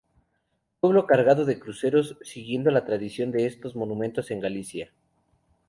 Pueblo cargado de cruceros siguiendo la tradición de estos monumentos en Galicia.